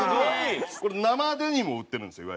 これ生デニムも売ってるんですよ